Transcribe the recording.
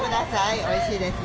おいしいです。